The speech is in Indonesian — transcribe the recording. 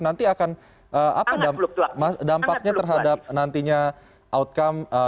nanti akan apa dampaknya terhadap nantinya outcome